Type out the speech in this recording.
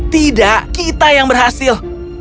tidak kita yang berhasil